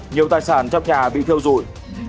nhiều tài sản trong nhà bị thiêu rụi